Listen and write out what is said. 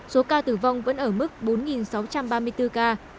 số ca tử vong vẫn ở mức bốn sáu trăm ba mươi bốn ca